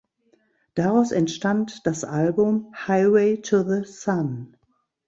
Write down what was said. Daraus entstand das Album "Highway to the Sun".